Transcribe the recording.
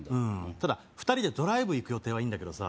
ただ２人でドライブ行く予定はいいんだけどさ